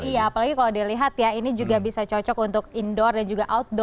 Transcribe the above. iya apalagi kalau dilihat ya ini juga bisa cocok untuk indoor dan juga outdoor